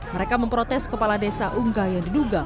mereka memprotes kepala desa unggah yang diduga